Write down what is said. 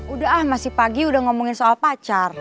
udah ah masih pagi udah ngomongin soal pacar